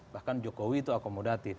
bahkan jokowi itu akomodatif